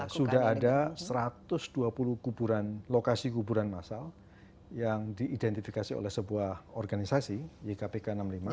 karena ada satu ratus dua puluh kuburan lokasi kuburan masal yang diidentifikasi oleh sebuah organisasi ykpk enam puluh lima